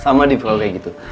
sama di vlognya gitu